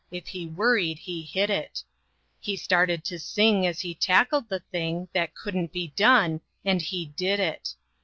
If he worried he hid it. He started to sing as he tackled the thing That couldn't be done, and he did it.